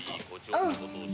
「うん」